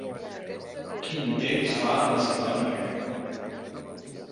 Quin temps fa a Macedònia